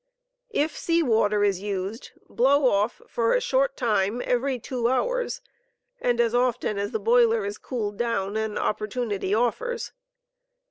If sea water is used, blow off, for a short time, every two hours, and as often as the boiler is cooled down and opportunity offers.